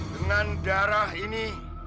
dengan darah ini